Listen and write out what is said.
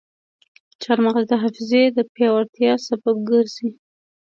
چارمغز د حافظې د پیاوړتیا سبب ګرځي.